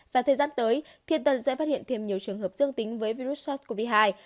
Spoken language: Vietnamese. và thời gian tới thiên tân sẽ phát hiện thêm nhiều trường hợp dương tính với virus sars cov hai